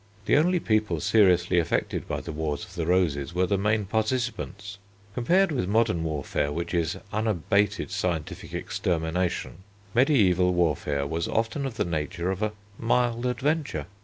The only people seriously affected by the Wars of the Roses were the main participants. Compared with modern warfare, which is unabated scientific extermination, mediæval warfare was often of the nature of a mild adventure.